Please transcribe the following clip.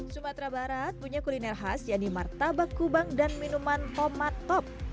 sumatera barat punya kuliner khas yaitu martabak kubang dan minuman tomat top